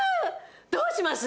どうします？